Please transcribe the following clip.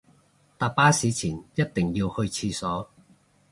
搭巴士前一定要去廁所